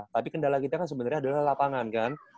tapi kendala kita kan sebenarnya adalah lapangan kan